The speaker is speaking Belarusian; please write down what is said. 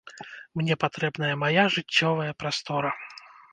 Мне патрэбная мая жыццёвая прастора.